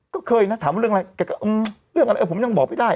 ก็เคยนะถามว่าเรื่องอะไรแกก็เรื่องอะไรผมยังบอกไม่ได้